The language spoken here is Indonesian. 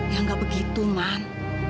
ya gak begitu man